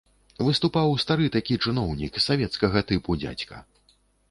Выступаў стары такі чыноўнік, савецкага тыпу дзядзька.